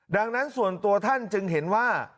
ดังนั้นส่วนตัวท่านจึงเห็นว่า